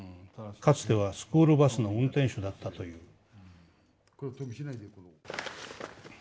かつてはスクールバスの運転手だったという」。